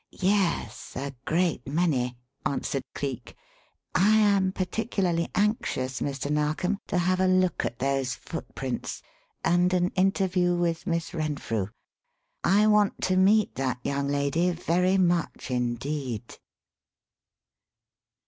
"Yes a great many," answered Cleek. "I am particularly anxious, Mr. Narkom, to have a look at those footprints and an interview with Miss Renfrew. I want to meet that young lady very much indeed."